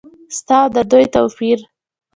ستا او د دوی توپیر ؟